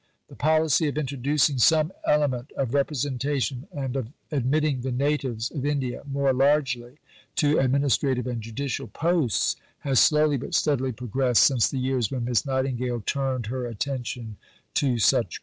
The policy of introducing some element of representation and of admitting the natives of India more largely to administrative and judicial posts has slowly but steadily progressed since the years when Miss Nightingale turned her attention to such questions.